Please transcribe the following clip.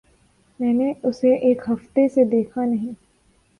میں نے اسے ایک ہفتے سے دیکھا نہیں۔